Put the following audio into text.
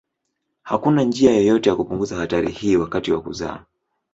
Hakuna njia yoyote ya kupunguza hatari hii wakati wa kuzaa.